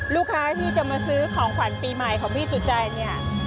ลูกค้าที่จะมาซื้อของขวัญปีใหม่ของพี่สุจัยเนี่ย